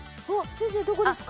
先生どこですか？